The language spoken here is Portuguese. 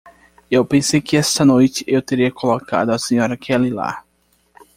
Eu pensei que esta noite eu teria colocado a Srta. Kelly lá.